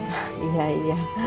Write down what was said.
udah deket atau belum